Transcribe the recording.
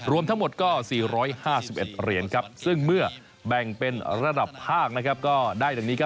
รวมทั้งหมดก็๔๕๑เหรียญซึ่งเมื่อแบ่งเป็นระดับภาคก็ได้ดังนี้